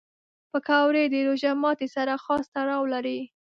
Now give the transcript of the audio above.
پکورې د روژه ماتي سره خاص تړاو لري